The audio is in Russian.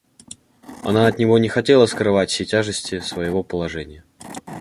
Она от него не хотела скрывать всей тяжести своего положения.